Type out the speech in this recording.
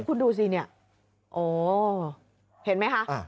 คุณดูสิเนี่ยอ๋อเห็นไหมคะ